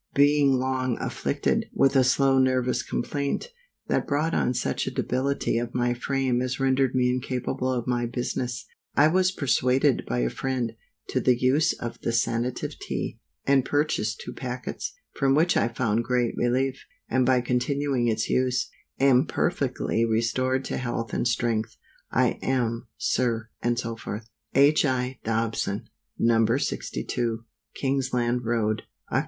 BEING long afflicted with a slow nervous complaint, that brought on such a debility of my frame as rendered me incapable of my business; I was persuaded by a friend to the use of the Sanative Tea, and purchased two packets, from which I found great relief, and by continuing its use, am perfectly restored to health and strength. I am, SIR, &c. H. I. DOBSON. No. 62, Kingsland road, Oct.